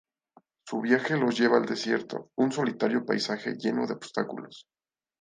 Su viaje los lleva al Desierto, un solitario paisaje lleno de obstáculos.